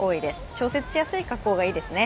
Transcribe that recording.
調節しやすい格好がいいですね。